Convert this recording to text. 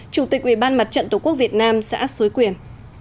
chủ tịch ubnd tqvn xã suối quyền